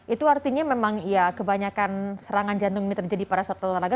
itu artinya memang ya kebanyakan serangan jantung ini terjadi pada suatu olahraga